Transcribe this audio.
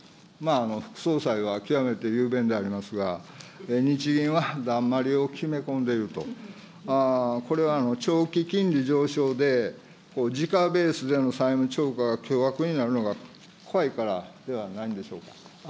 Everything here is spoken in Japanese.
副総裁は極めて雄弁でありますが、日銀はだんまりを決め込んでいると、これは長期金利上昇で、時価ベースでの債務超過が巨額になるのが怖いからではないんでしょうか。